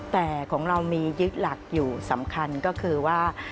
แต่ของเรามียึดหลักอยู่สำคัญก็คือว่า